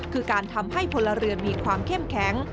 คือการทำให้พลเรือนมีความเข้มแข็ง